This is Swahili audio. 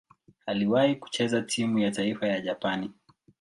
Aliwahi kucheza timu ya taifa ya Japani.